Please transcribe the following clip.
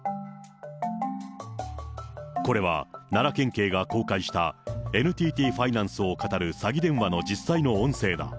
これは奈良県警が公開した、ＮＴＴファイナンスを語る詐欺電話の実際の音声だ。